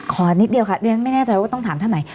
นิดเดียวค่ะเรียนไม่แน่ใจว่าต้องถามท่านไหน